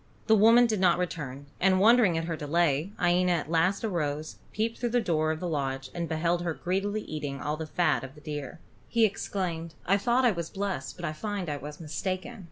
The woman did not return, and wondering at her delay, Iena at last arose, peeped through the door of the lodge and beheld her greedily eating all the fat of the deer. He exclaimed: "I thought I was blessed, but I find I was mistaken."